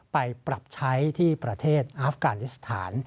ไปปรับใช้ที่ประเทศอาฟกานิสถาน